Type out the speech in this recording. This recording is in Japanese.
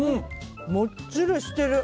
もっちりしてる。